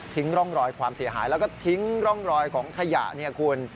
ร่องรอยความเสียหายแล้วก็ทิ้งร่องรอยของขยะเนี่ยคุณ